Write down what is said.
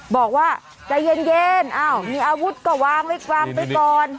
บอกว่าใจเย็นอ้าวมีอาวุธก็วางไว้วางไปก่อน